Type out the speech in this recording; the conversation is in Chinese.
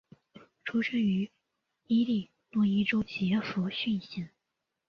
出生于伊利诺伊州杰佛逊县。